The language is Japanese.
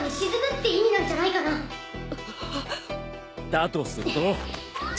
だとすると。